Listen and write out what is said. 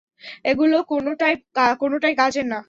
এগুলো কোনোটাই কাজের না।